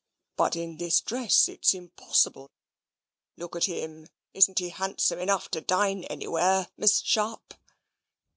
"But in this dress it's impossible." "Look at him, isn't he handsome enough to dine anywhere, Miss Sharp?"